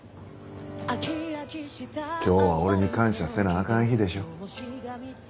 今日は俺に感謝せなあかん日でしょ。